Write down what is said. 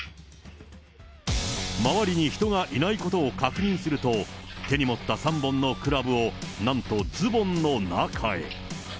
周りに人がいないことを確認すると、手に持った３本のクラブを、なんとズボンの中へ。